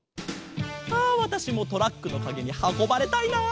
あわたしもトラックのかげにはこばれたいな。